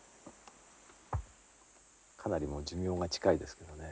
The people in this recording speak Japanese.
かなりもう寿命が近いですけどね。